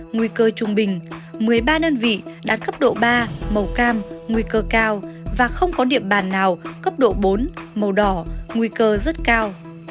nguy cơ trung bình một mươi ba đơn vị đạt cấp độ ba màu cam nguy cơ cao và không có địa bàn nào cấp độ bốn màu đỏ nguy cơ rất cao